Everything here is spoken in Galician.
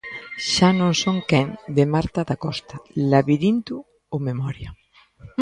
Xa non son quen, de Marta Dacosta, Labirinto ou memoria.